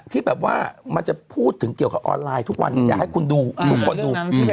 ที่แบบว่ามันจะพูดถึงเกี่ยวกับออนไลน์ทุกวันนี้อยากให้คุณดูทุกคนดู